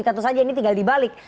tentu saja ini tinggal dibalik